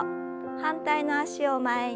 反対の脚を前に。